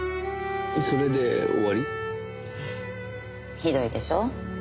ひどいでしょ？